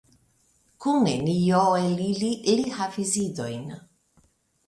Kun neniu el ili li havis idojn.